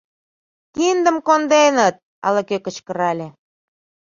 — Киндым конденыт! — ала-кӧ кычкырале.